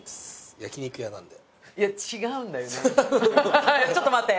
焼き肉屋なので。